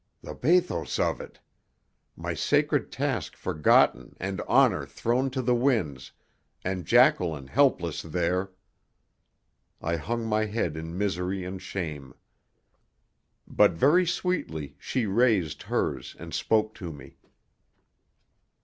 The bathos of it! My sacred task forgotten and honour thrown to the winds, and Jacqueline helpless there! I hung my head in misery and shame. But very sweetly she raised hers and spoke to me.